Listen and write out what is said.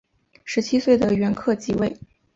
十七岁的元恪即位。